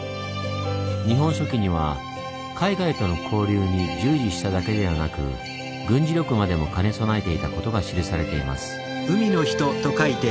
「日本書紀」には海外との交流に従事しただけではなく軍事力までも兼ね備えていたことが記されています。